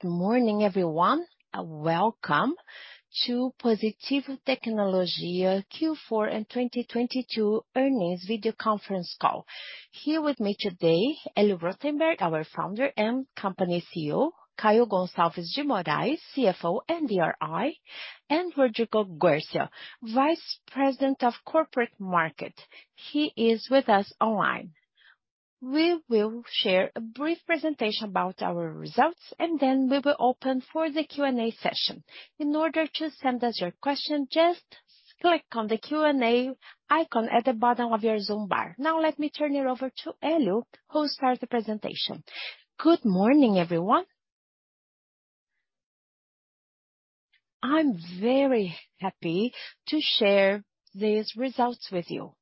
Good morning everyone. Welcome to Positivo Tecnologia Q4 and 2022 Earnings Video Conference Call. Here with me today, Hélio Rotenberg, our founder and company CEO, Caio Gonçalves de Moraes, CFO and IRO, and Rodrigo Guercio, Vice President of Corporate Market. He is with us online. We will share a brief presentation about our results. We will open for the Q&A session. In order to send us your question, just click on the Q&A icon at the bottom of your Zoom bar. Let me turn it over to Hélio, who'll start the presentation. Good morning, everyone. I'm very happy to share these results with you.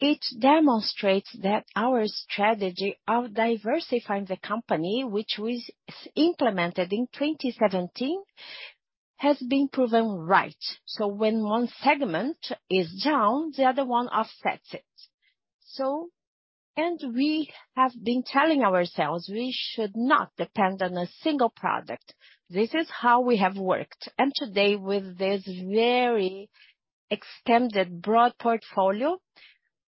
It demonstrates that our strategy of diversifying the company, which was implemented in 2017, has been proven right. When one segment is down, the other one offsets it. We have been telling ourselves, we should not depend on a single product. This is how we have worked. Today, with this very extended broad portfolio,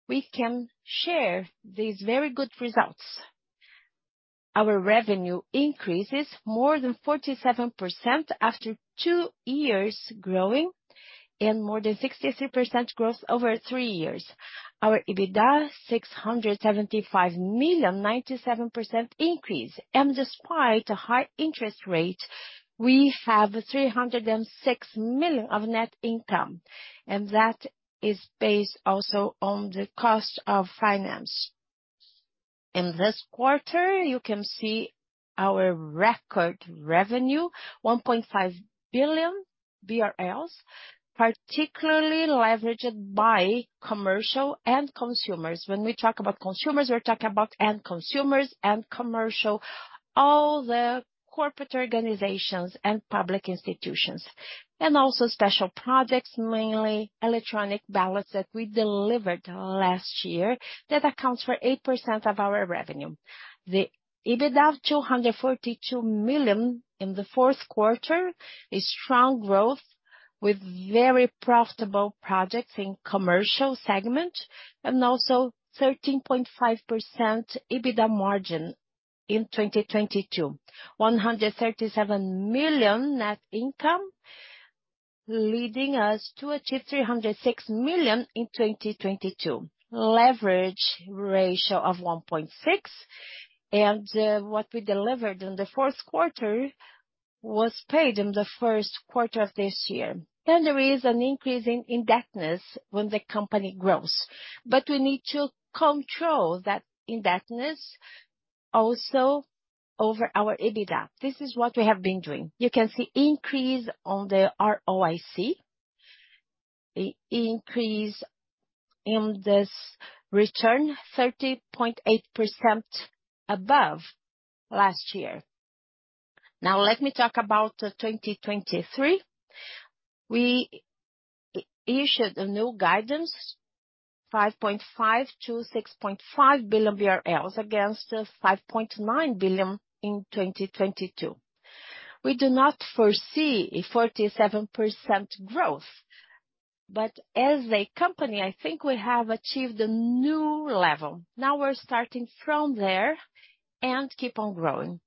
we can share these very good results. Our revenue increases more than 47% after two years growing and more than 63% growth over three years. Our EBITDA, 675 million, 97% increase. Despite a high interest rate, we have 306 million of net income, and that is based also on the cost of finance. In this quarter, you can see our record revenue, 1.5 billion BRL, particularly leveraged by commercial and consumers. When we talk about consumers, we're talking about end consumers and commercial, all the corporate organizations and public institutions. Also special projects, mainly electronic ballots that we delivered last year. That accounts for 8% of our revenue. The EBITDA of 242 million in the Q4 is strong growth with very profitable projects in commercial segment and also 13.5% EBITDA margin in 2022. 137 million net income, leading us to achieve 306 million in 2022. Leverage ratio of 1.6. What we delivered in the Q4 was paid in the Q1 of this year. There is an increase in indebtedness when the company grows. We need to control that indebtedness also over our EBITDA. This is what we have been doing. You can see increase on the ROIC. Increase in this return, 30.8% above last year. Let me talk about 2023. We issued a new guidance, 5.5 billion-6.5 billion BRL against the 5.9 billion in 2022. We do not foresee a 47% growth. As a company, I think we have achieved a new level. Now we're starting from there and keep on growing.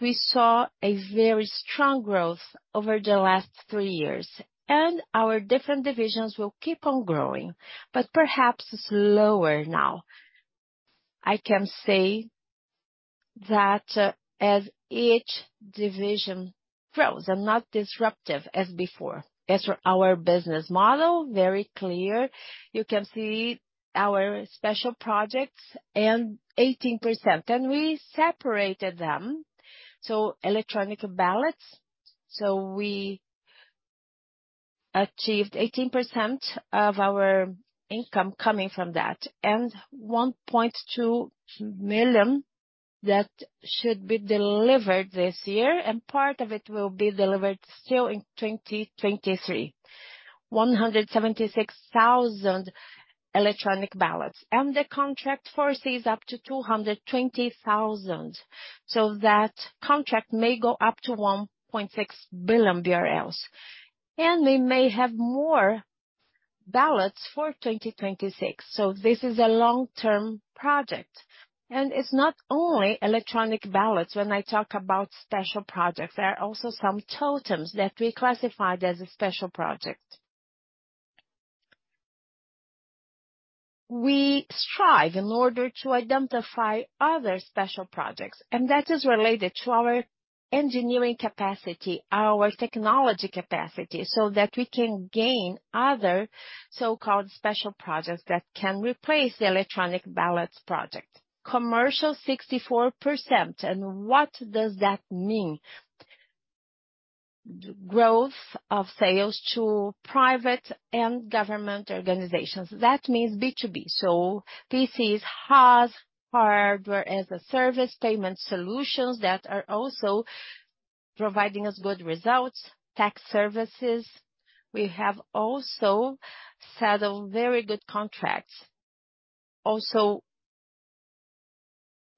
We saw a very strong growth over the last three years, and our different divisions will keep on growing, but perhaps slower now. I can say that as each division grows and not disruptive as before. As for our business model, very clear. You can see our special projects and 18%. We separated them. Electronic ballots. We achieved 18% of our income coming from that. 1.2 million that should be delivered this year, and part of it will be delivered still in 2023. 176,000 electronic ballots. The contract foresees up to 220,000. That contract may go up to 1.6 billion BRL. We may have more ballots for 2026. This is a long-term project. It's not only electronic ballots when I talk about special projects. There are also some totems that we classified as a special project. We strive in order to identify other special projects, and that is related to our engineering capacity, our technology capacity, so that we can gain other so-called special projects that can replace the electronic ballots project. Commercial 64%. What does that mean? Growth of sales to private and government organizations. That means B2B. So, PCs, HaaS, hardware as a Service payment solutions that are also providing us good results. Tax services. We have also settled very good contracts, also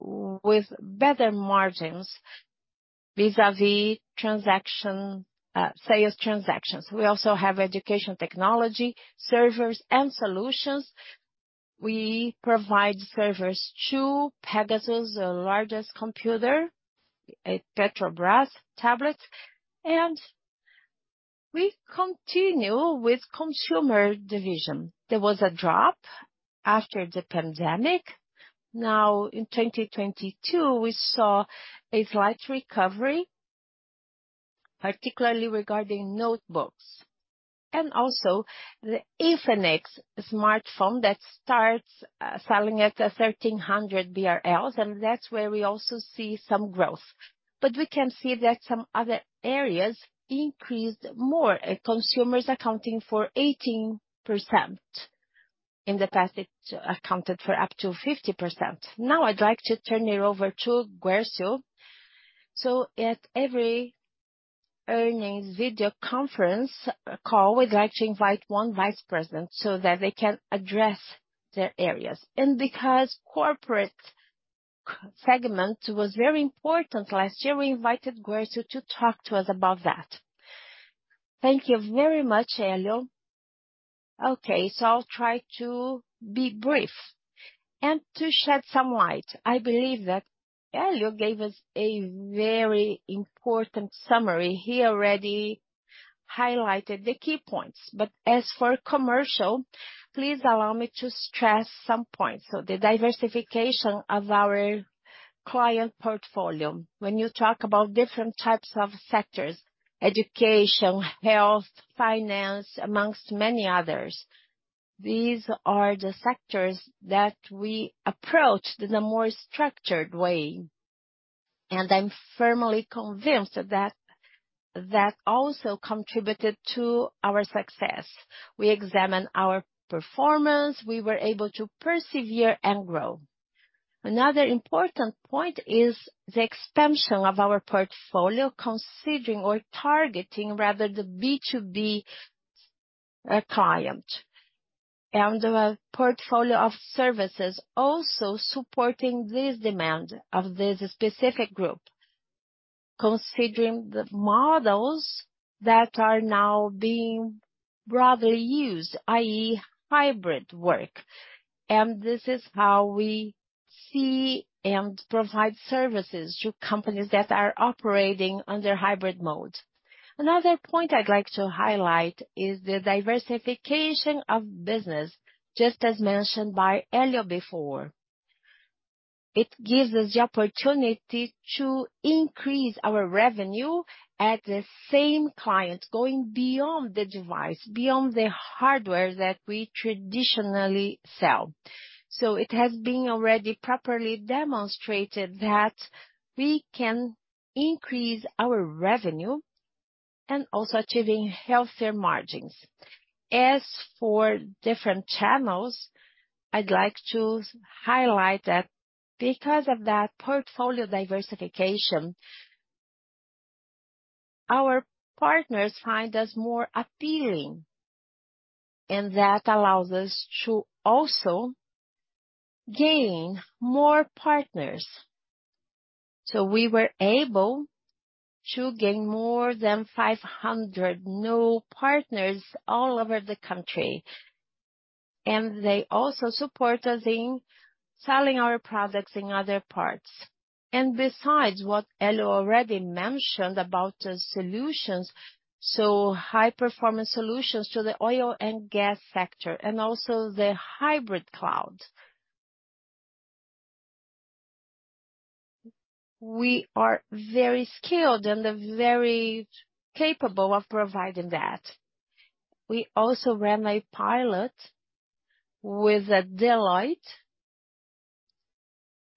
with better margins vis-a-vis transaction, sales transactions. We also have education technology, servers and solutions. We provide servers to Pegasus, the largest computer at Petrobras, tablets. We continue with consumer division. There was a drop after the pandemic. Now in 2022, we saw a slight recovery, particularly regarding notebooks and also the Infinix smartphone that starts selling at 1,300 BRL, and that's where we also see some growth. We can see that some other areas increased more. Consumers accounting for 18%. In the past, it accounted for up to 50%. I'd like to turn it over to Guercio. At every Earnings Video Conference Call, we'd like to invite one vice president so that they can address their areas. Because corporate segment was very important last year, we invited Guercio to talk to us about that. Thank you very much, Hélio. Okay, I'll try to be brief and to shed some light. I believe that Hélio gave us a very important summary. He already highlighted the key points. As for commercial, please allow me to stress some points. The diversification of our client portfolio. When you talk about different types of sectors: education, health, finance, amongst many others. These are the sectors that we approached in a more structured way. I'm firmly convinced that that also contributed to our success. We examined our performance. We were able to persevere and grow. Another important point is the expansion of our portfolio considering or targeting rather the B2B client. The portfolio of services also supporting this demand of this specific group, considering the models that are now being rather used, i.e., hybrid work. This is how we see and provide services to companies that are operating under hybrid mode. Another point I'd like to highlight is the diversification of business, just as mentioned by Hélio before. It gives us the opportunity to increase our revenue at the same client, going beyond the device, beyond the hardware that we traditionally sell. It has been already properly demonstrated that we can increase our revenue and also achieving healthier margins. As for different channels, I'd like to highlight that because of that portfolio diversification, our partners find us more appealing, and that allows us to also gain more partners. We were able to gain more than 500 new partners all over the country. They also support us in selling our products in other parts. Besides what Hélio already mentioned about the solutions, so high-performance solutions to the oil and gas sector and also the hybrid cloud. We are very skilled and very capable of providing that. We also ran a pilot with Deloitte,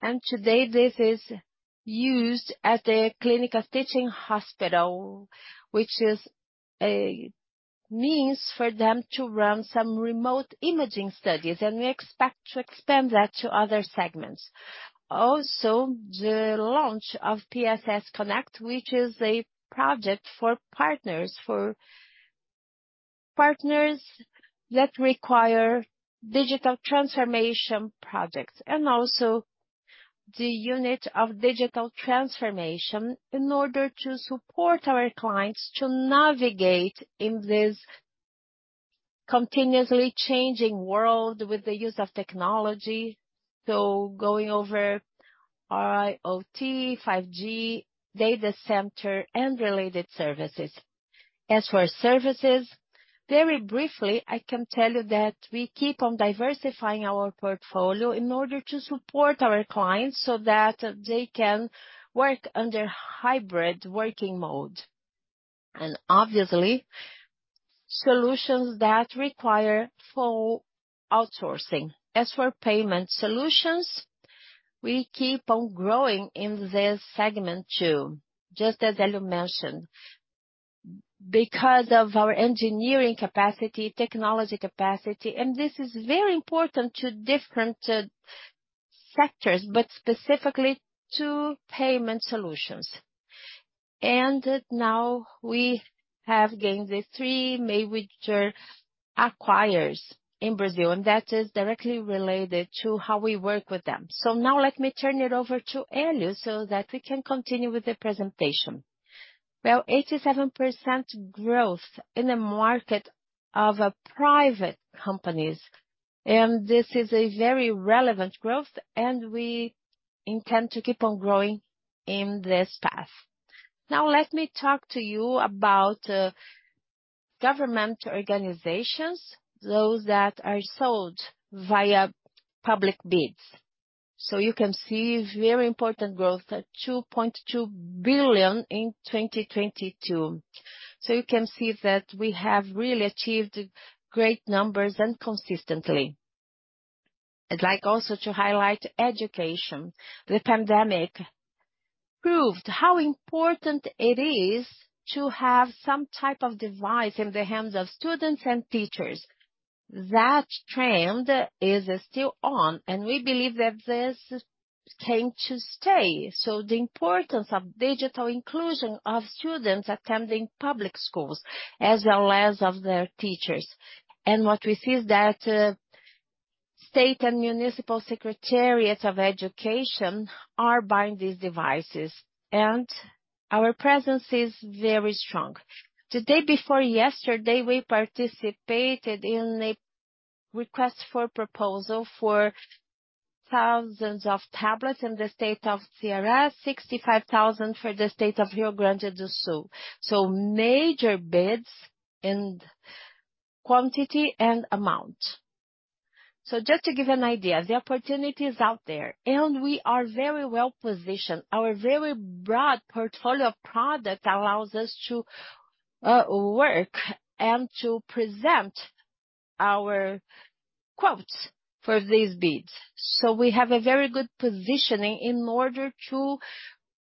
and today this is used at a clinical teaching hospital, which is a means for them to run some remote imaging studies, and we expect to expand that to other segments. Also, the launch of PSS Connect, which is a project for partners- for partners that require digital transformation projects, and also the unit of digital transformation in order to support our clients to navigate in this continuously changing world with the use of technology. Going over IoT, 5G, data center and related services. As for services, very briefly, I can tell you that we keep on diversifying our portfolio in order to support our clients, so that they can work under hybrid working mode, and obviously, solutions that require full outsourcing. As for payment solutions, we keep on growing in this segment too. Just as Hélio mentioned. Because of our engineering capacity, technology capacity. This is very important to different sectors, but specifically to payment solutions. Now we have gained the three major acquirers in Brazil, and that is directly related to how we work with them. Now let me turn it over to Hélio, so that we can continue with the presentation. Well, 87% growth in the market of a private companies, and this is a very relevant growth, and we intend to keep on growing in this path. Now let me talk to you about government organizations, those that are sold via public bids. You can see very important growth at 2.2 billion in 2022. You can see that we have really achieved great numbers and consistently. I'd like also to highlight education. The pandemic proved how important it is to have some type of device in the hands of students and teachers. That trend is still on, and we believe that this came to stay. The importance of digital inclusion of students attending public schools as well as of their teachers. What we see is that state and municipal secretariats of education are buying these devices, and our presence is very strong. The day before yesterday, we participated in a request for proposal for thousands of tablets in the state of Ceará, 65,000 for the state of Rio Grande do Sul. Major bids in quantity and amount. Just to give an idea, the opportunity is out there, and we are very well-positioned. Our very broad portfolio of product allows us to work and to present our quotes for these bids. We have a very good positioning in order to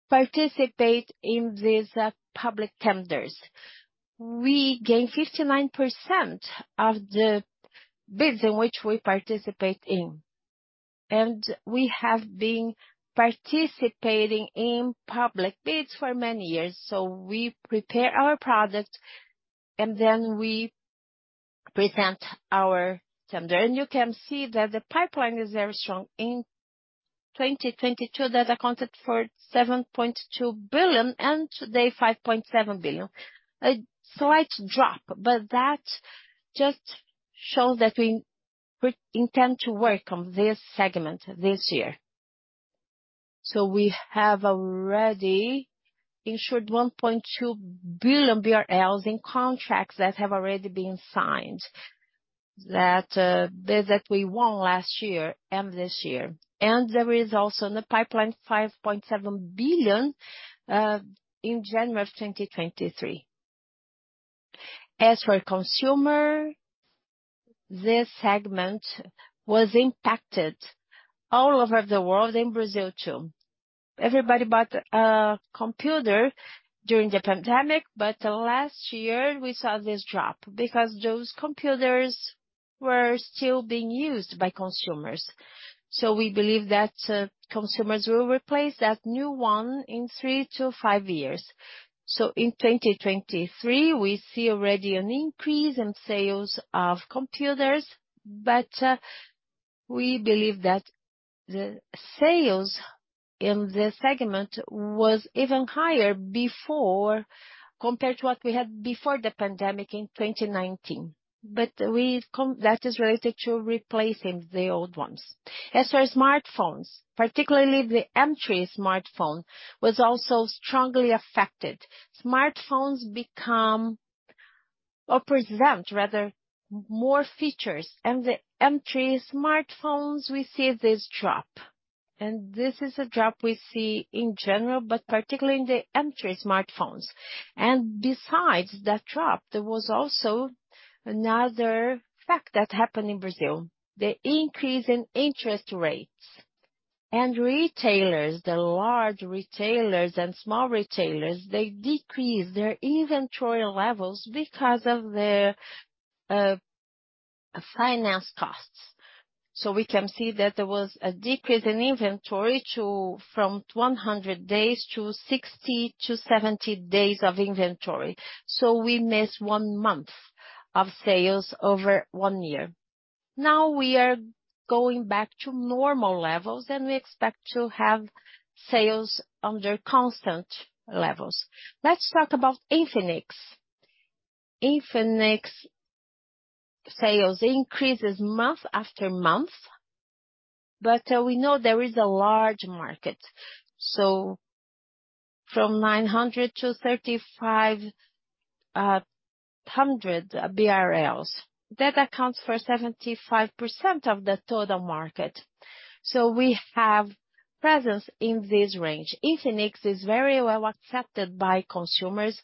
participate in these public tenders. We gain 59% of the bids in which we participate in. We have been participating in public bids for many years. We prepare our product, and then we present our tender. You can see that the pipeline is very strong. In 2022, that accounted for 7.2 billion, and today, 5.7 billion. A slight drop, but that just shows that we intend to work on this segment this year. We have already ensured 1.2 billion BRL in contracts that have already been signed. That, bids that we won last year and this year. There is also in the pipeline 5.7 billion in January of 2023. For consumer, this segment was impacted all over the world, in Brazil too. Everybody bought a computer during the pandemic, but last year we saw this drop because those computers were still being used by consumers. We believe that consumers will replace that new one in three to five years. In 2023, we see already an increase in sales of computers. We believe that the sales in this segment was even higher before, compared to what we had before the pandemic in 2019. That is related to replacing the old ones. As for smartphones, particularly the entry smartphone, was also strongly affected. Smartphones become or present rather more features. The entry smartphones, we see this drop. This is a drop we see in general, but particularly in the entry smartphones. Besides that drop, there was also another fact that happened in Brazil, the increase in interest rates. Retailers, the large retailers and small retailers, they decreased their inventory levels because of the finance costs. We can see that there was a decrease in inventory from 100 days to 60-70 days of inventory. We missed one month of sales over one year. Now we are going back to normal levels, and we expect to have sales under constant levels. Let's talk about Infinix. Infinix sales increases month-after-month, we know there is a large market. From 900-3,500 BRL. That accounts for 75% of the total market. We have presence in this range. Infinix is very well accepted by consumers.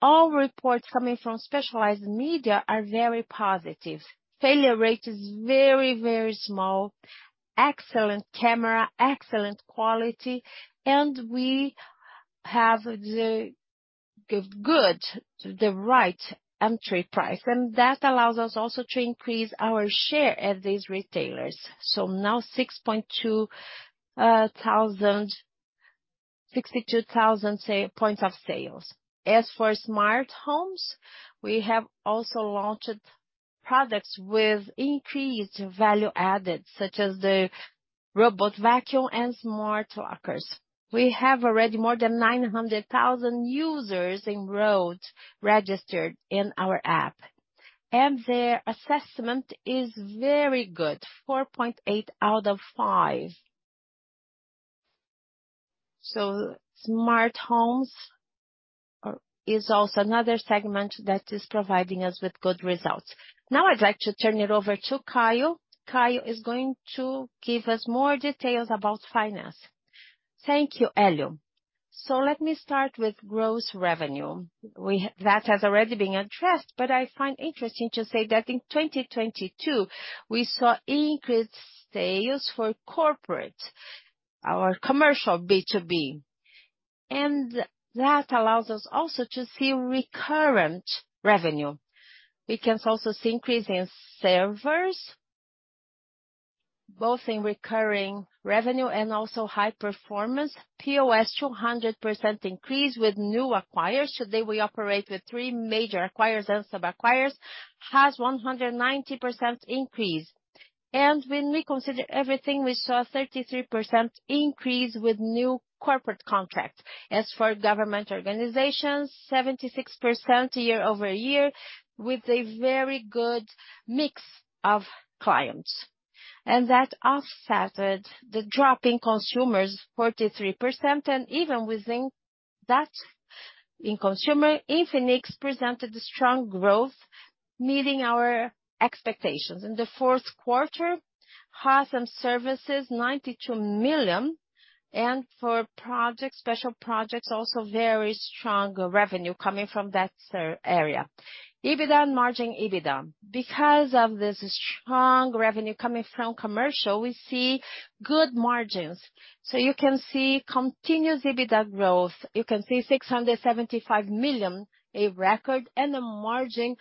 All reports coming from specialized media are very positive. Failure rate is very, very small- excellent camera, excellent quality, and we have the right entry price. That allows us also to increase our share at these retailers. Now 62,000 points of sales. As for Smart Homes, we have also launched products with increased value added, such as the robot vacuum and smart lockers. We have already more than 900,000 users enrolled, registered in our app. Their assessment is very good, 4.8 out of 5. Smart Homes is also another segment that is providing us with good results. Now I'd like to turn it over to Caio. Caio is going to give us more details about finance. Thank you, Hélio. Let me start with gross revenue. That has already been addressed, but I find interesting to say that in 2022, we saw increased sales for corporate, our commercial B2B, and that allows us also to see recurrent revenue. We can also see increase in servers, both in recurring revenue and also high performance. POS, 200% increase with new acquirers. Today we operate with three major acquirers and sub-acquirers, has 190% increase. When we consider everything, we saw 33% increase with new corporate contracts. As for government organizations, 76% year-over-year, with a very good mix of clients. That offsetted the drop in consumers, 43%, and even within that, in consumer, Infinix presented a strong growth, meeting our expectations. In the Q4, HaaS and services, 92 million. For projects, special projects, also very strong revenue coming from that, sir, area. EBITDA and margin EBITDA. Because of this strong revenue coming from commercial, we see good margins. You can see continuous EBITDA growth. You can see 675 million, a record, and a margin,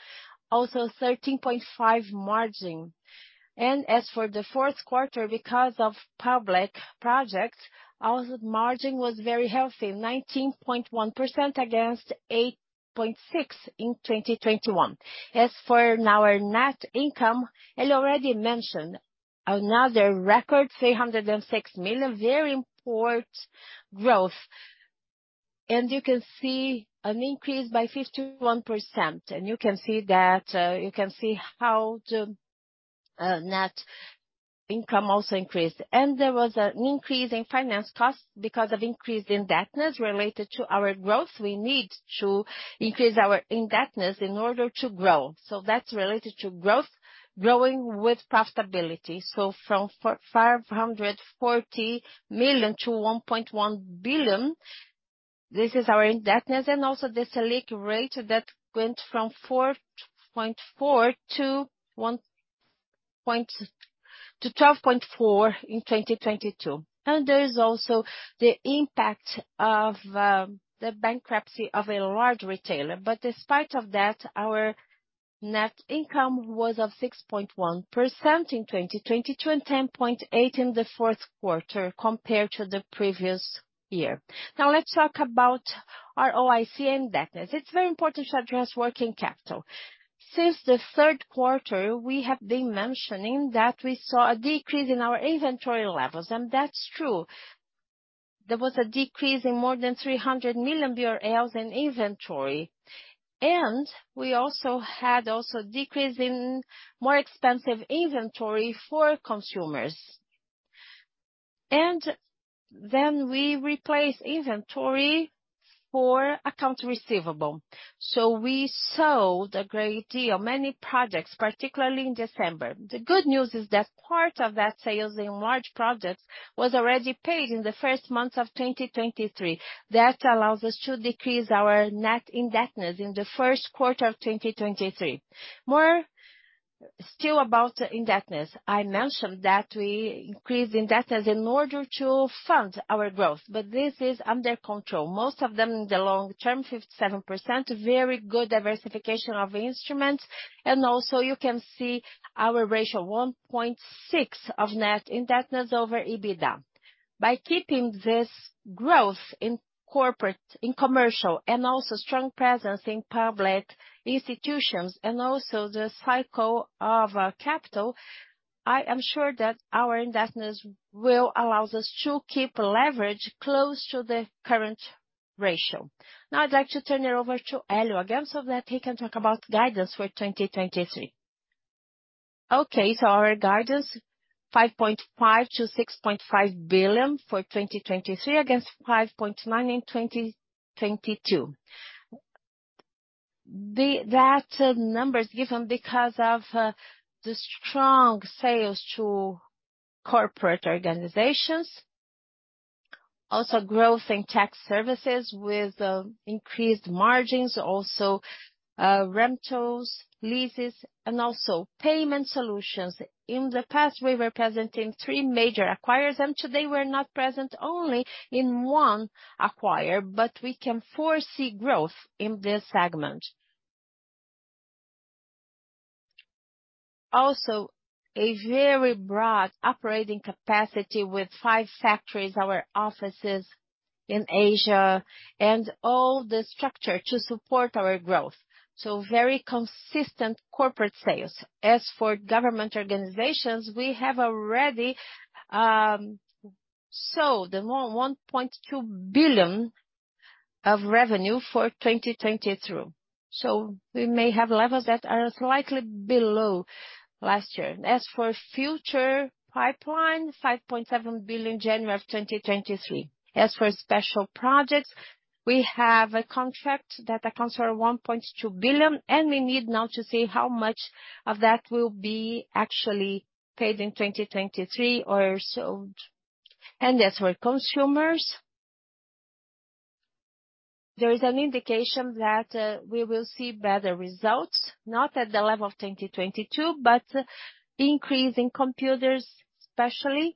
also 13.5% margin. As for the Q4, because of public projects, our margin was very healthy, 19.1% against 8.6% in 2021. As for our net income, Hélio already mentioned another record, 306 million, a very important growth. You can see an increase by 51%. You can see that, you can see how the net income also increased. There was an increase in finance costs because of increased indebtedness related to our growth. We need to increase our indebtedness in order to grow. That's related to growth, growing with profitability. From 540 million to 1.1 billion, this is our indebtedness and also the Selic rate that went from 4.4 to 12.4 in 2022. There's also the impact of the bankruptcy of a large retailer. Despite that, our net income was 6.1% in 2022 and 10.8% in the Q4 compared to the previous year. Let's talk about our ROIC and debt. It's very important to address working capital. Since the Q3, we have been mentioning that we saw a decrease in our inventory levels, and that's true. There was a decrease in more than 300 million BRL in inventory. We also had a decrease in more expensive inventory for consumers. We replaced inventory for accounts receivable. We sold a great deal, many products, particularly in December. The good news is that part of that sales in large projects was already paid in the first month of 2023. That allows us to decrease our net indebtedness in the Q1 of 2023. More still about the indebtedness. I mentioned that we increased indebtedness in order to fund our growth, but this is under control. Most of them in the long term, 57%, very good diversification of instruments. You can see our ratio, 1.6x of net indebtedness over EBITDA. By keeping this growth in corporate, in commercial, and also strong presence in public institutions and also the cycle of our capital, I am sure that our indebtedness will allow us to keep leverage close to the current ratio. Now I'd like to turn it over to Hélio again, so that he can talk about guidance for 2023. Our guidance, 5.5 billion-6.5 billion for 2023 against 5.9 billion in 2022. That number is given because of the strong sales to corporate organizations. Growth in tech services with increased margins, also, rentals, leases, and also payment solutions. In the past, we were present in three major acquirers. Today we're not present only in one acquirer, but we can foresee growth in this segment. A very broad operating capacity with five factories, our offices in Asia, and all the structure to support our growth. Very consistent corporate sales. As for government organizations, we have already sold 1.2 billion of revenue for 2022. We may have levels that are slightly below last year. As for future pipeline, 5.7 billion January of 2023. As for special projects, we have a contract that accounts for 1.2 billion, and we need now to see how much of that will be actually paid in 2023 or sold. As for consumers, there is an indication that we will see better results, not at the level of 2022, but increase in computers especially,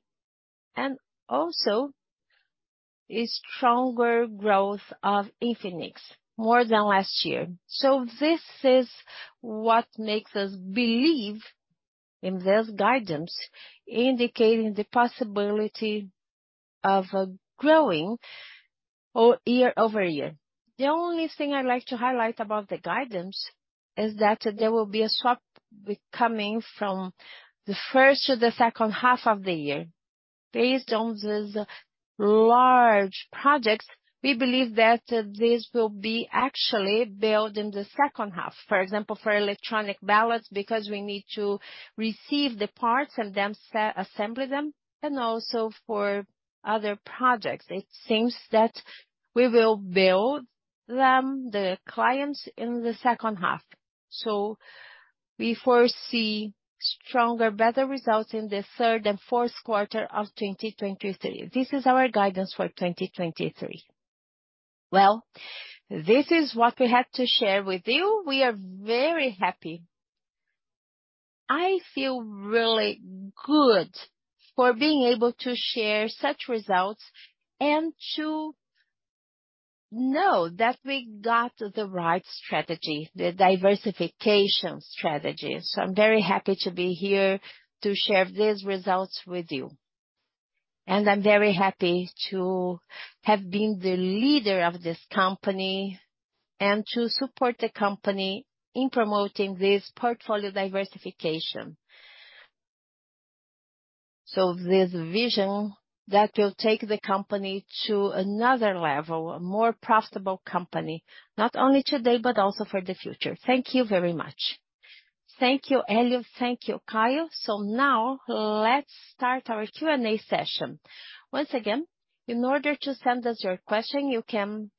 and also a stronger growth of Infinix, more than last year. This is what makes us believe in this guidance, indicating the possibility of a growing year-over-year. The only thing I'd like to highlight about the guidance is that there will be a swap coming from the first to the second half of the year. Based on these large projects, we believe that this will be actually built in the second half. For example, for electronic ballots, because we need to receive the parts and then assembly them, and also for other projects. It seems that we will build them, the clients, in the second half. We foresee stronger, better results in the third and Q4 of 2023. This is our guidance for 2023. Well, this is what we had to share with you. We are very happy. I feel really good for being able to share such results and to know that we got the right strategy, the diversification strategy. I'm very happy to be here to share these results with you. I'm very happy to have been the leader of this company and to support the company in promoting this portfolio diversification. This vision that will take the company to another level, a more profitable company, not only today, but also for the future. Thank you very much. Thank you, Hélio. Thank you, Caio. Now let's start our Q&A session. Once again, in order to send us your question, you can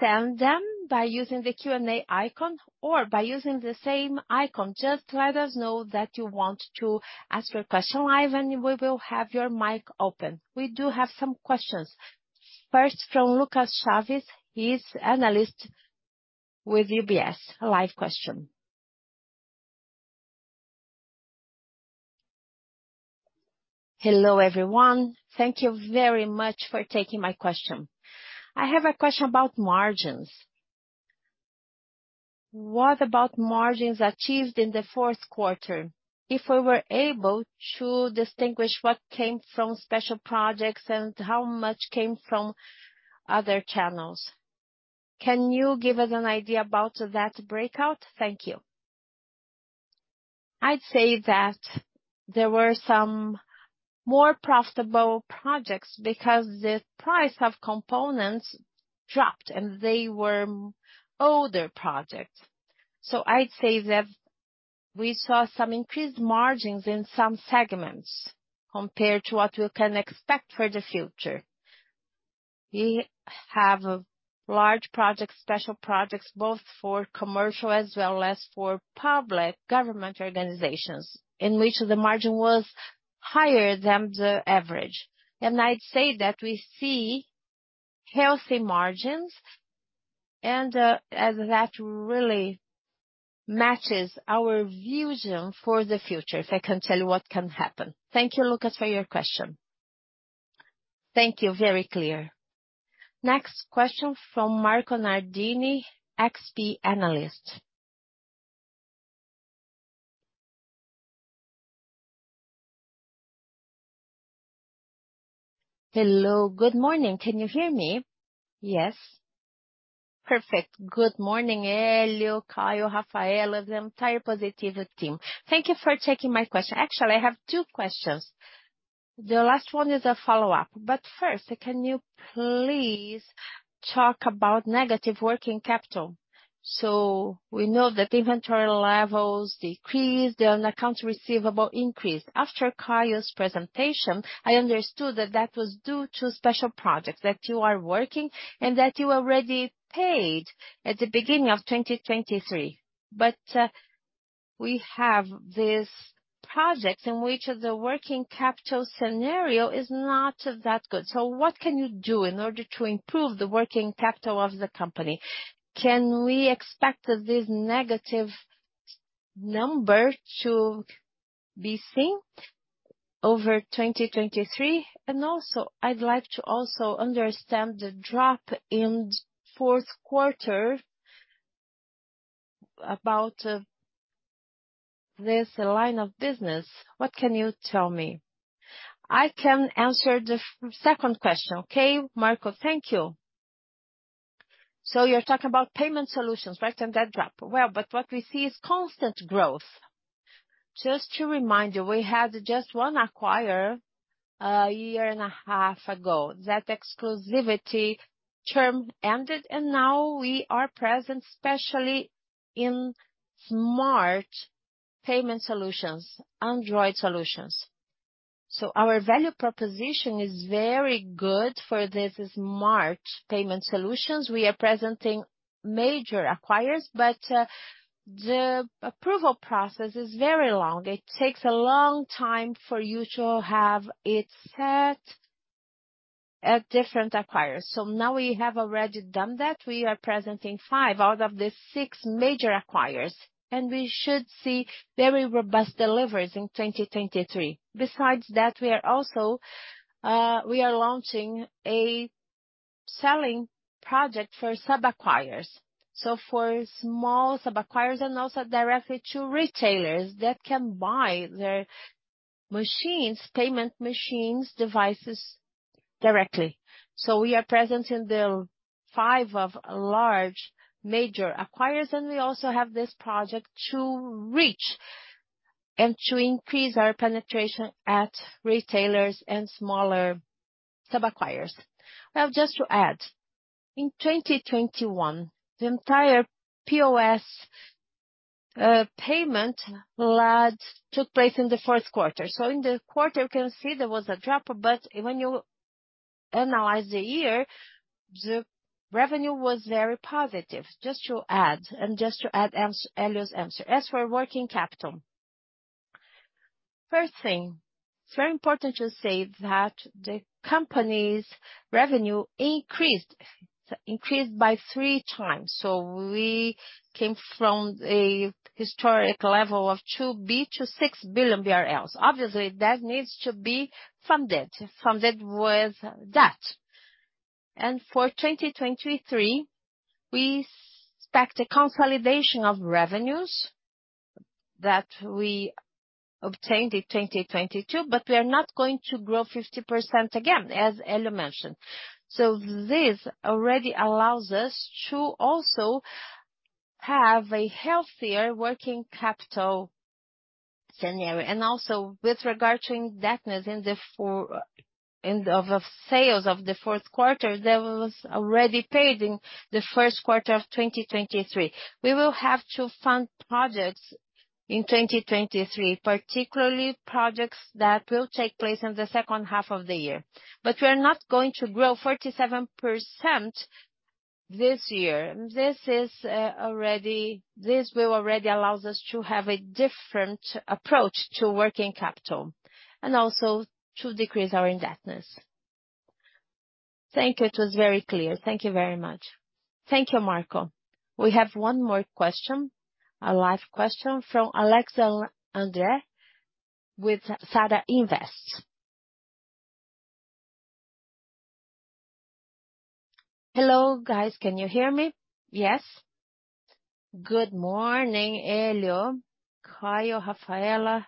send them by using the Q&A icon or by using the same icon. Just let us know that you want to ask your question live, and we will have your mic open. We do have some questions. First from Lucas Chaves, he's analyst with UBS. A live question. Hello, everyone. Thank you very much for taking my question. I have a question about margins. What about margins achieved in the Q4? If we were able to distinguish what came from special projects and how much came from other channels. Can you give us an idea about that breakout? Thank you. I'd say that there were some more profitable projects because the price of components dropped, and they were older projects. I'd say that we saw some increased margins in some segments compared to what we can expect for the future. We have large projects, special projects, both for commercial as well as for public government organizations, in which the margin was higher than the average. I'd say that we see healthy margins, and that really matches our vision for the future, if I can tell you what can happen. Thank you, Lucas, for your question. Thank you. Very clear. Next question from Marco Nardini, XP analyst. Hello. Good morning. Can you hear me? Yes. Perfect. Good morning, Hélio, Caio, Rafaella, the entire Positivo team. Thank you for taking my question. Actually, I have two questions. The last one is a follow-up. First, can you please talk about negative working capital? We know that inventory levels decreased and accounts receivable increased. After Caio's presentation, I understood that that was due to special projects that you are working and that you already paid at the beginning of 2023. We have this project in which the working capital scenario is not that good. What can you do in order to improve the working capital of the company? Can we expect this negative number to be seen over 2023? Also, I'd like to also understand the drop in Q4 about this line of business. What can you tell me? I can answer the second question. Okay, Marco? Thank you. You're talking about payment solutions, right, and that drop. What we see is constant growth. Just to remind you, we had just one acquirer a year and a half ago. That exclusivity term ended, and now we are present, especially in smart payment solutions, Android solutions. Our value proposition is very good for this smart payment solutions. We are presenting major acquirers, but the approval process is very long. It takes a long time for you to have it set at different acquirers. Now we have already done that. We are presenting five out of the six major acquirers, and we should see very robust deliveries in 2023. Besides that, we are also launching a selling project for sub-acquirers. For small sub-acquirers and also directly to retailers that can buy their machines, payment machines, devices directly. We are present in the five of large major acquirers, and we also have this project to reach and to increase our penetration at retailers and smaller sub-acquirers. Just to add, in 2021, the entire POS payment lag took place in the Q4. In the quarter, you can see there was a drop, but when you analyze the year, the revenue was very positive. Just to add Hélio's answer. As for working capital. First thing, very important to say that the company's revenue increased by three times. We came from a historic level of 2 billion to 6 billion BRL. Obviously, that needs to be funded with debt. For 2023, we expect a consolidation of revenues that we obtained in 2022, but we are not going to grow 50% again, as Hélio mentioned. This already allows us to also have a healthier working capital scenario. Also with regard to indebtedness in sales of the Q4, that was already paid in the Q1 of 2023. We will have to fund projects in 2023, particularly projects that will take place in the second half of the year. We are not going to grow 47% this year. This will already allows us to have a different approach to working capital and also to decrease our indebtedness. Thank you. It was very clear. Thank you very much. Thank you, Marco. We have one more question, a live question from Alex Andre with SaraInvest. Hello, guys. Can you hear me? Yes. Good morning, Hélio, Caio, Rafaella.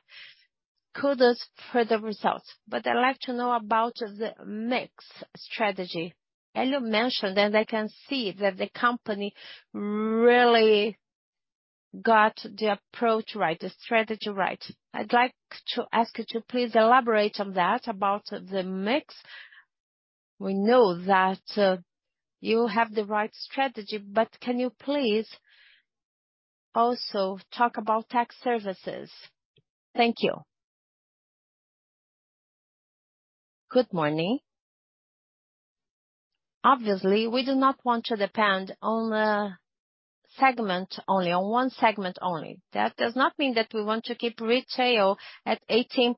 Kudos for the results, I'd like to know about the mix strategy. Hélio mentioned. I can see that the company really got the approach right, the strategy right. I'd like to ask you to please elaborate on that, about the mix. We know that you have the right strategy. Can you please also talk about tech services? Thank you. Good morning. Obviously, we do not want to depend on a segment only, on one segment only. That does not mean that we want to keep retail at 18%.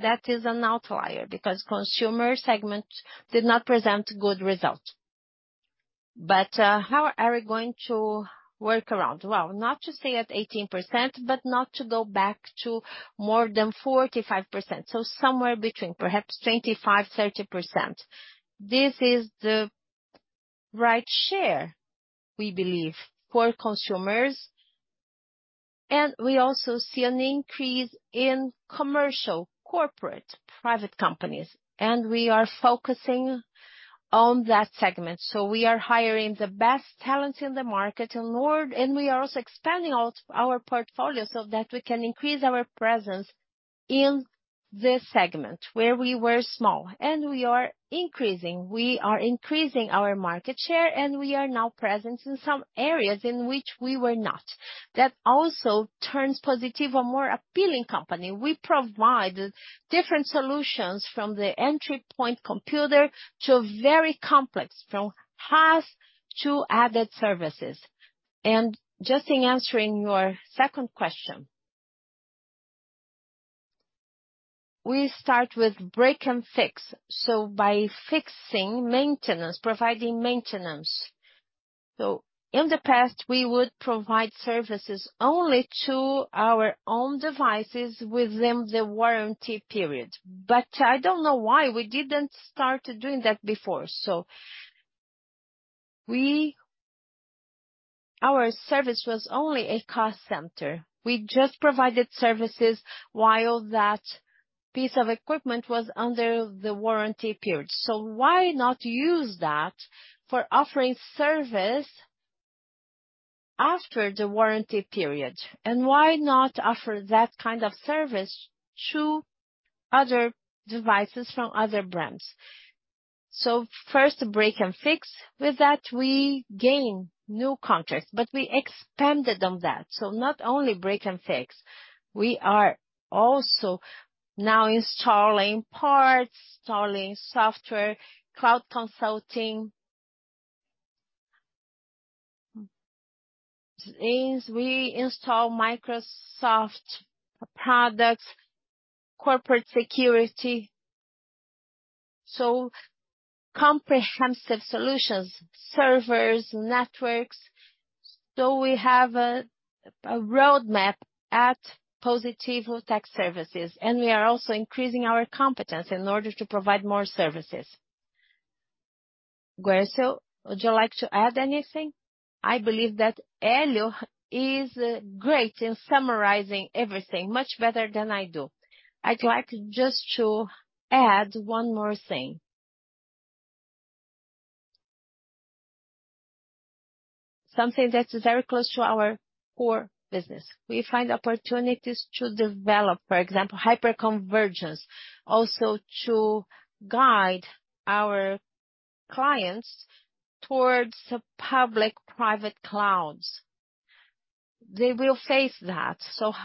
That is an outlier because consumer segment did not present good result. How are we going to work around? Well, not to stay at 18%, but not to go back to more than 45%. Somewhere between perhaps 25%, 30%. This is the right share, we believe, for consumers. We also see an increase in commercial, corporate, private companies, and we are focusing on that segment. We are hiring the best talent in the market and we are also expanding our portfolio so that we can increase our presence in this segment where we were small. We are increasing our market share, and we are now present in some areas in which we were not. That also turns Positivo a more appealing company. We provide different solutions from the entry point computer to very complex, from HaaS to added services. Just in answering your second question. We start with break and fix. By fixing maintenance, providing maintenance. In the past, we would provide services only to our own devices within the warranty period. I don't know why we didn't start doing that before. Our service was only a cost center. We just provided services while that piece of equipment was under the warranty period. Why not use that for offering service after the warranty period? Why not offer that kind of service to other devices from other brands? First, break and fix. With that, we gain new contracts. We expanded on that. Not only break and fix. We are also now installing parts, installing software, cloud consulting. We install Microsoft products, corporate security, comprehensive solutions, servers, networks. We have a roadmap at Positivo Tech Services, we are also increasing our competence in order to provide more services. Gercio, would you like to add anything? I believe that Hélio is great in summarizing everything much better than I do. I'd like just to add one more thing. Something that is very close to our core business. We find opportunities to develop, for example, hyperconvergence, also to guide our clients towards public-private clouds. They will face that.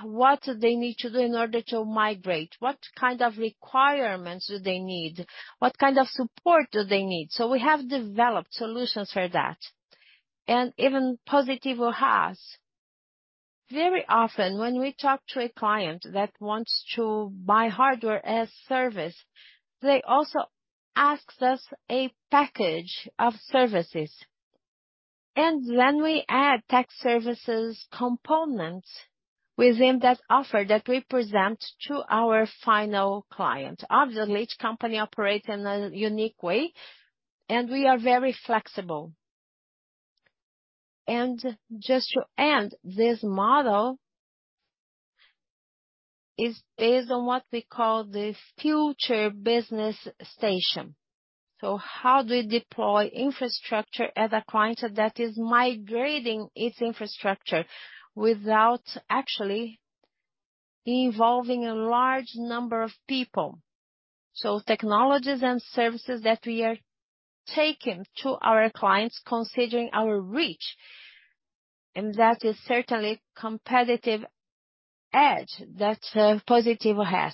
What do they need to do in order to migrate? What kind of requirements do they need? What kind of support do they need? We have developed solutions for that. Even Positivo HaaS. Very often when we talk to a client that wants to buy Hardware as a Service, they also asks us a package of services. Then we add tech services components within that offer that we present to our final client. Obviously, each company operates in a unique way, we are very flexible. Just to end, this model is on what we call the future business station. How do we deploy infrastructure as a client that is migrating its infrastructure without actually involving a large number of people. Technologies and services that we are taking to our clients considering our reach, and that is certainly competitive edge that Positivo has.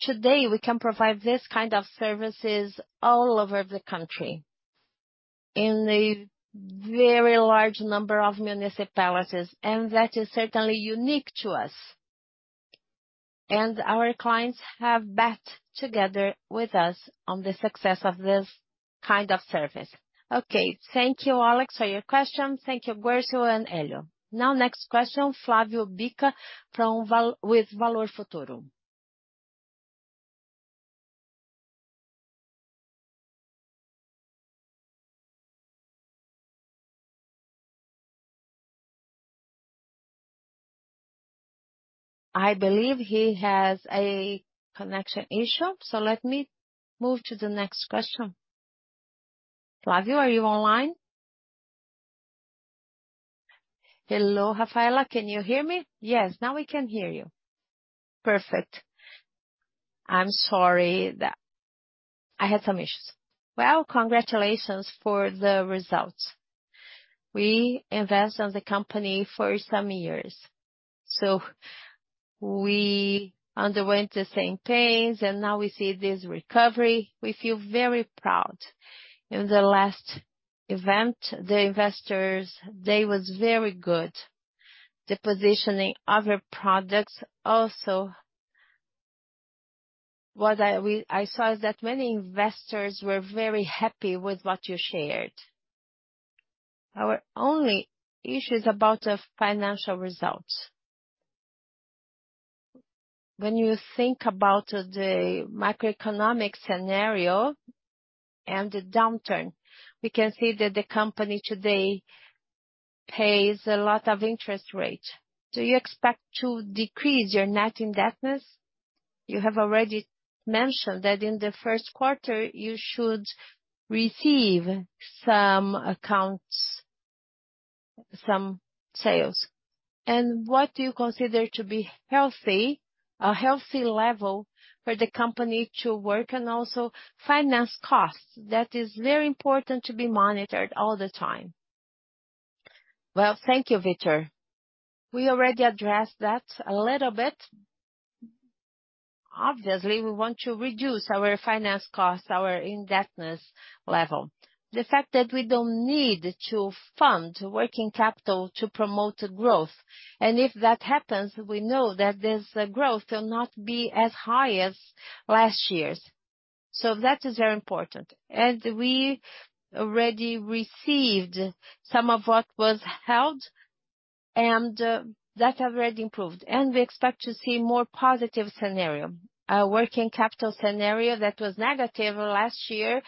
Today, we can provide this kind of services all over the country in a very large number of municipalities, and that is certainly unique to us. Our clients have bet together with us on the success of this kind of service. Okay. Thank you, Alex, for your question. Thank you, Gercio and Hélio. Now, next question, Flavio Bicca with Valor Futuro. I believe he has a connection issue, so let me move to the next question. Flavio, are you online? Hello, Rafaella. Can you hear me? Yes, now we can hear you. Perfect. I'm sorry that I had some issues. Congratulations for the results. We invest on the company for some years. We underwent the same pains, and now we see this recovery. We feel very proud. In the last event, the investors, they was very good. The positioning of your products also. What I saw is that many investors were very happy with what you shared. Our only issue is about the financial results. When you think about the macroeconomic scenario and the downturn, we can see that the company today pays a lot of interest rate. Do you expect to decrease your net indebtedness? You have already mentioned that in the Q1 you should receive some accounts, some sales. What do you consider to be healthy, a healthy level for the company to work and also finance costs? That is very important to be monitored all the time. Thank you, Bicca. We already addressed that a little bit. Obviously, we want to reduce our finance costs, our indebtedness level. The fact that we don't need to fund working capital to promote growth. If that happens, we know that this growth will not be as high as last year's. That is very important. We already received some of what was held and that already improved. We expect to see more positive scenario. Our working capital scenario that was negative last year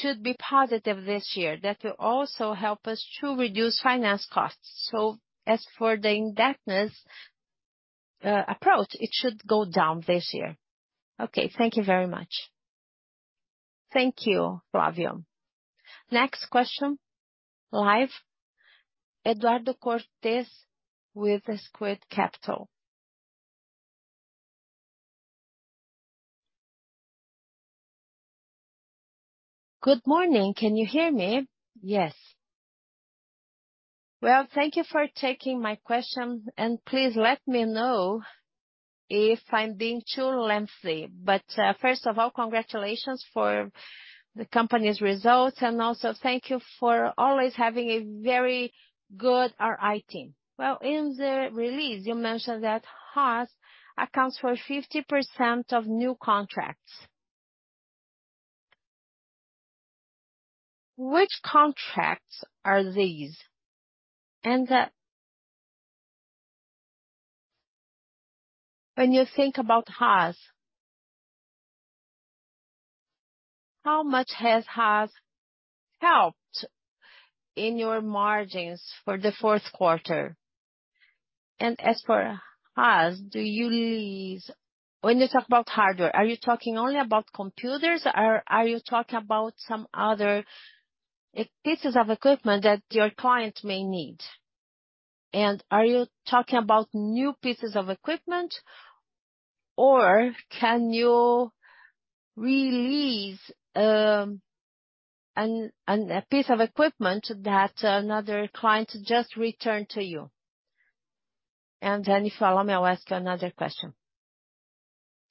should be positive this year. That will also help us to reduce finance costs. As for the indebtedness approach, it should go down this year. Okay. Thank you very much. Thank you, Flavio. Next question, live Eduardo Cortez with Skade Capital. Good morning. Can you hear me? Yes. Well, thank you for taking my question, and please let me know if I'm being too lengthy. First of all, congratulations for the company's results, and also thank you for always having a very good IR team. Well, in the release, you mentioned that HaaS accounts for 50% of new contracts. Which contracts are these? When you think about HaaS, how much has HaaS helped in your margins for the Q4? As for HaaS, do you lease- when you talk about hardware, are you talking only about computers or are you talking about some other pieces of equipment that your client may need? Are you talking about new pieces of equipment, or can you release a piece of equipment that another client just returned to you? If you allow me, I'll ask you another question.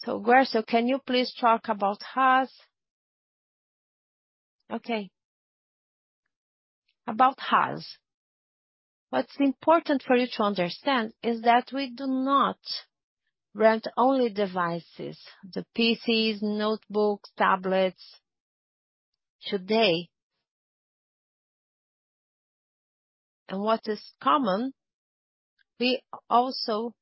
Guercio, can you please talk about HaaS? Okay. About HaaS- what's important for you to understand is that we do not rent only devices. The PCs, notebooks, tablets. Today, and what is common, we also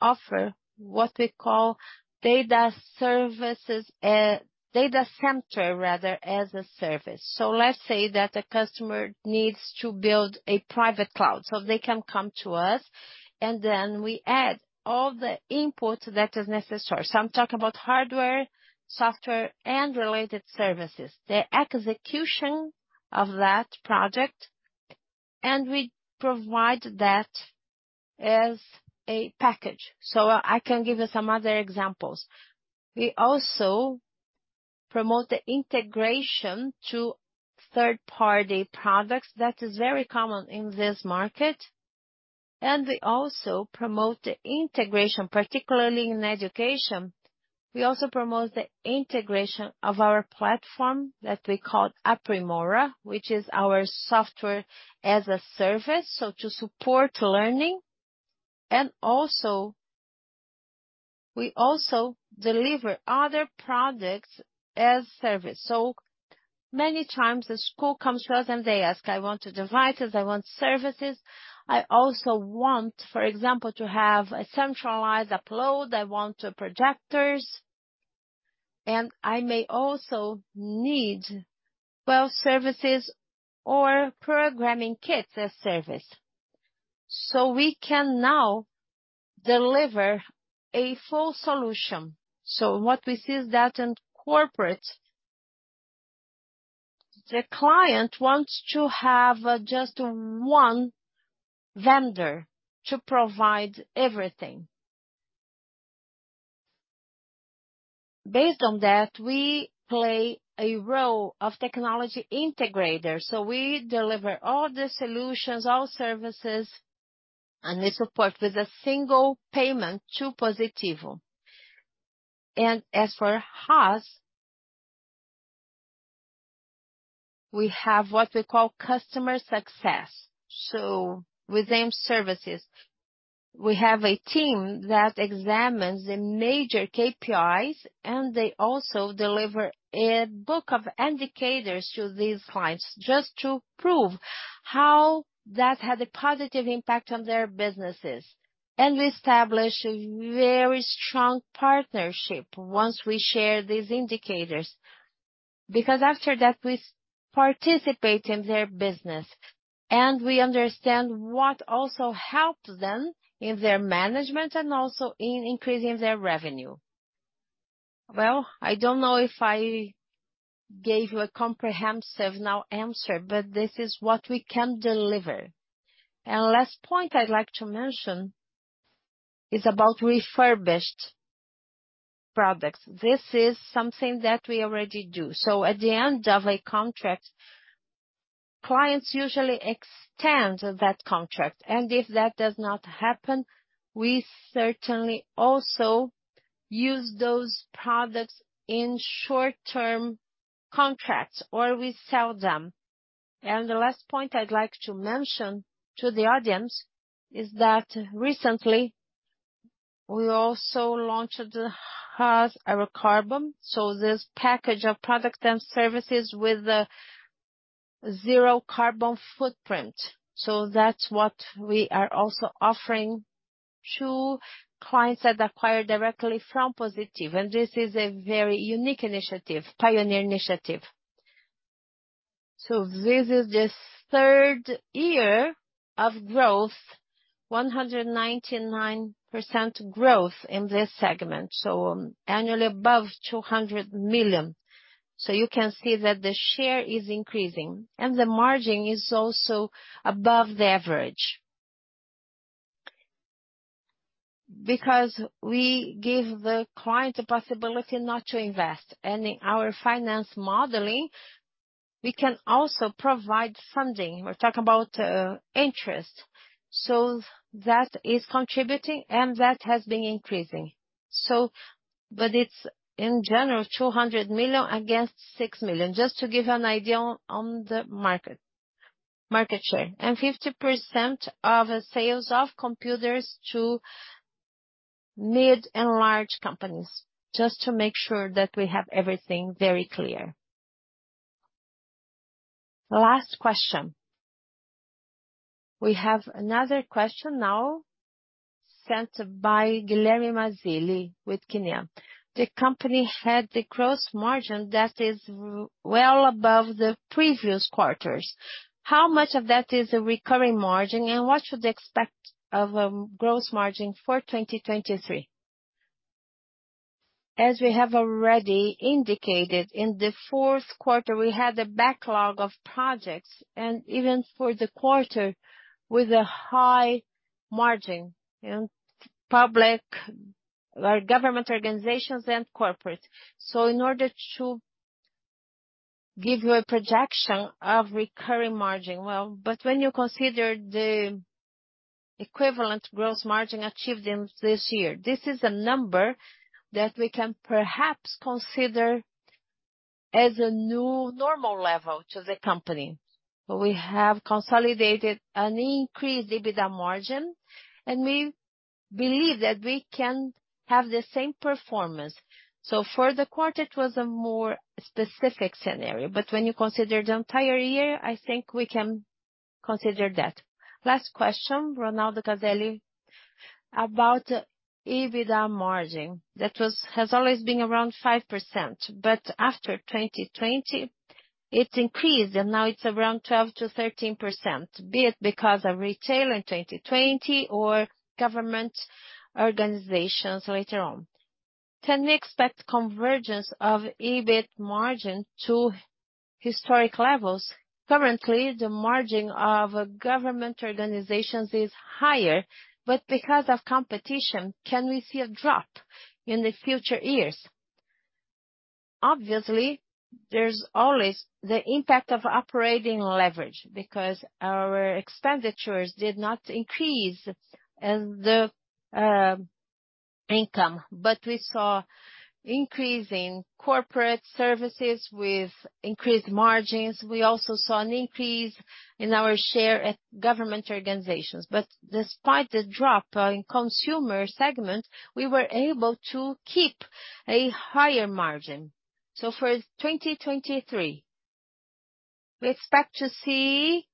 offer what we call data services, Data Center rather as a Service. Let's say that a customer needs to build a private cloud, so they can come to us, and then we add all the input that is necessary. I'm talking about hardware, software and related services. The execution of that project, and we provide that as a package. I can give you some other examples. We also promote the integration to third-party products. That is very common in this market. We also promote the integration, particularly in education. We also promote the integration of our platform that we call Aprimora, which is our Software as a Service. To support learning. We also deliver other products as service. Many times the school comes to us and they ask, "I want the devices, I want services. I also want, for example, to have a centralized upload. I want projectors. And I may also need well services or programming kits as service." We can now deliver a full solution. What we see is that in corporate, the client wants to have just one vendor to provide everything. Based on that, we play a role of technology integrator. We deliver all the solutions, all services, and they support with a single payment to Positivo. As for HaaS, we have what we call customer success. Within services, we have a team that examines the major KPIs, and they also deliver a book of indicators to these clients just to prove how that had a positive impact on their businesses. We establish a very strong partnership once we share these indicators. After that, we participate in their business and we understand what also helps them in their management and also in increasing their revenue. I don't know if I gave you a comprehensive answer, but this is what we can deliver. Last point I'd like to mention is about refurbished products. This is something that we already do. At the end of a contract, clients usually extend that contract. If that does not happen, we certainly also use those products in short-term contracts, or we sell them. The last point I'd like to mention to the audience is that recently we also launched the HaaS Zero Carbon. This package of products and services with zero carbon footprint. That's what we are also offering to clients that acquire directly from Positivo. This is a very unique initiative, pioneer initiative. This is the third year of growth. 199% growth in this segment, so annually above 200 million. You can see that the share is increasing and the margin is also above the average. Because we give the client the possibility not to invest. In our finance modeling, we can also provide funding. We're talking about interest. That is contributing, and that has been increasing. It's in general 200 million against 6 million, just to give you an idea on the market share. Fifty percent of sales of computers to mid and large companies, just to make sure that we have everything very clear. Last question. We have another question now sent by Guilherme Mazzilli with Kinea. The company had the gross margin that is well above the previous quarters. How much of that is a recurring margin, and what should they expect of gross margin for 2023? We have already indicated, in the Q4, we had a backlog of projects, and even for the quarter with a high margin in public or government organizations and corporate. In order to give you a projection of recurring margin, when you consider the equivalent gross margin achieved in this year, this is a number that we can perhaps consider as a new normal level to the company. We have consolidated an increased EBITDA margin, and we believe that we can have the same performance. For the quarter, it was a more specific scenario. When you consider the entire year, I think we can consider that. Last question. Ronaldo Caselli, about EBITDA margin. Has always been around 5%, but after 2020, it increased and now it's around 12%-13%, be it because of retail in 2020 or government organizations later on. Can we expect convergence of EBIT margin to historic levels? Currently, the margin of government organizations is higher, but because of competition, can we see a drop in the future years? Obviously, there's always the impact of operating leverage because our expenditures did not increase as the income. We saw increase in corporate services with increased margins. We also saw an increase in our share at government organizations. Despite the drop in consumer segment, we were able to keep a higher margin. For 2023, we expect to see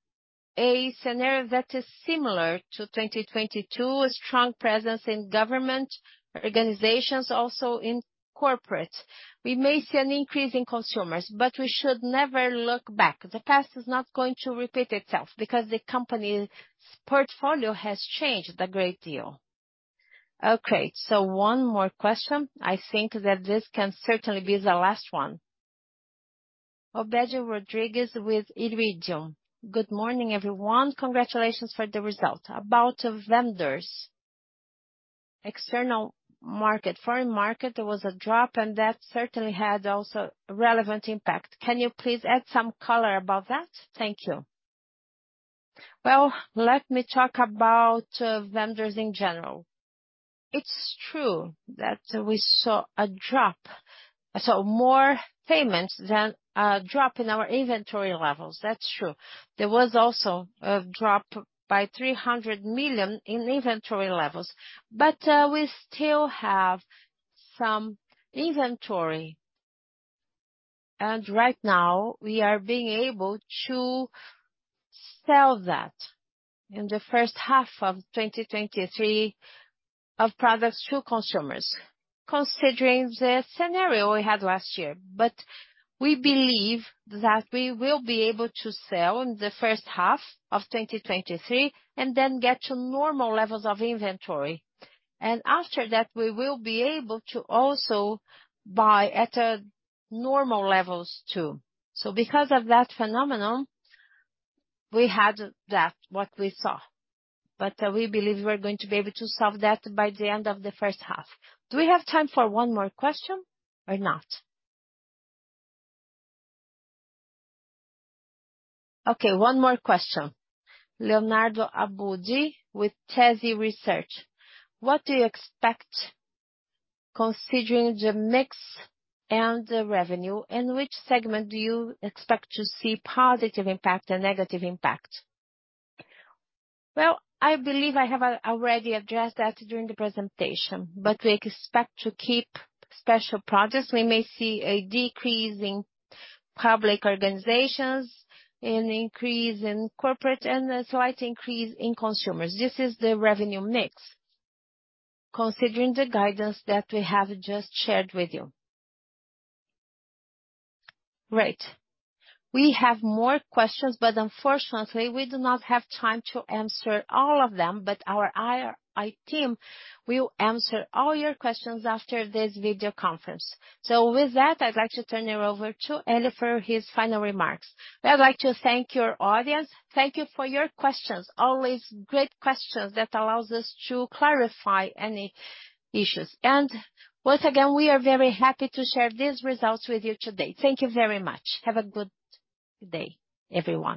a scenario that is similar to 2022. A strong presence in government organizations, also in corporate. We may see an increase in consumers, but we should never look back. The past is not going to repeat itself because the company's portfolio has changed a great deal. One more question. I think that this can certainly be the last one. Obede Rodrigues with Iridium. Good morning, everyone. Congratulations for the result. About vendors. Foreign market, there was a drop and that certainly had also relevant impact. Can you please add some color about that? Thank you. Let me talk about vendors in general. It's true that we saw a drop. I saw more payments than a drop in our inventory levels. That's true. There was also a drop by 300 million in inventory levels. We still have some inventory. Right now we are being able to sell that in the first half of 2023 of products to consumers. Considering the scenario we had last year. We believe that we will be able to sell in the first half of 2023 and then get to normal levels of inventory. After that, we will be able to also buy at normal levels too. Because of that phenomenon, we had that, what we saw. We believe we are going to be able to solve that by the end of the first half. Do we have time for one more question or not? Okay, one more question. Leonardo Abboud with Teze Research. What do you expect considering the mix and the revenue, and which segment do you expect to see positive impact and negative impact? I believe I have already addressed that during the presentation, but we expect to keep special projects. We may see a decrease in public organizations and increase in corporate, and a slight increase in consumers. This is the revenue mix. Considering the guidance that we have just shared with you. Great. We have more questions, but unfortunately we do not have time to answer all of them. Our IT team will answer all your questions after this video conference. With that, I'd like to turn it over to Hélio for his final remarks. I'd like to thank our audience. Thank you for your questions. Always great questions that allows us to clarify any issues. Once again, we are very happy to share these results with you today. Thank you very much. Have a good day, everyone.